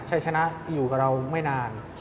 ชัยชนะอยู่กับเราไม่นาน